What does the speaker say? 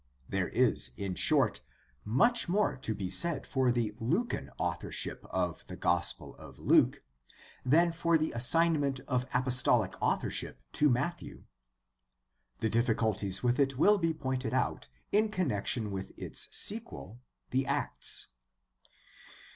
There is, in short, much more to be said for the Lukan authorship of the Gospel of Luke than for the assign ment of apostolic authorship to Matthew. The difficulties with it will be pointed out. in connection with its sequel, the Acts.